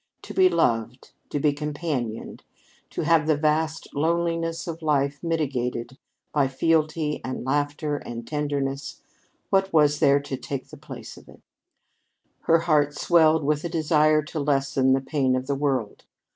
To be loved to be companioned to have the vast loneliness of life mitigated by fealty and laughter and tenderness what was there to take the place of it? Her heart swelled with a desire to lessen the pain of the world.